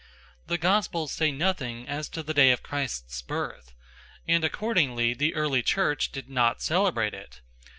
The Gospels say nothing as to the day of Christ's birth, and accordingly the early Church did not celebrate it.